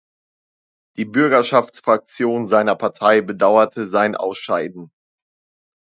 Die Bürgerschaftsfraktion seiner Partei bedauerte sein Ausscheiden.